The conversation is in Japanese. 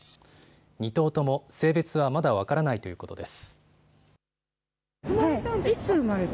２頭とも性別はまだ分からないということです。